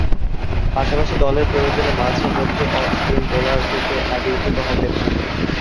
পাশাপাশি দলের প্রয়োজনে মাঝে-মধ্যে অফ-স্পিন বোলাররূপে আবির্ভূত হতেন।